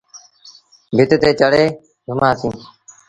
ڀت تي چڙهي گھمآسيٚݩ۔